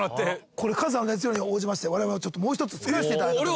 これカズさんの熱量に応じまして我々はちょっともう１つ作らせていただきました。